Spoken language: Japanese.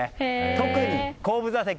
特に後部座席。